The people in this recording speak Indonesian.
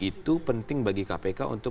itu penting bagi kpk untuk